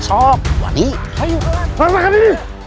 bawa dia ke sini